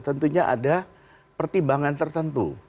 tentunya ada pertimbangan tertentu